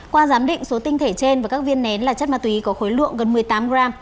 qua giám định số tinh thể trên và các viên nén là chất ma túy có khối lượng gần một mươi tám gram